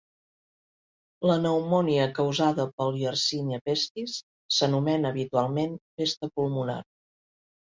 La pneumònia causada pel "Yersinia pestis" s'anomena habitualment "pesta pulmonar".